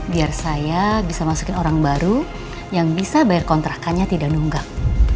biar saya bisa masukin orang baru yang bisa bayar kontrakannya tidak nunggak